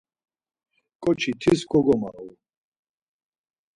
ǩoçi tis kogomağu.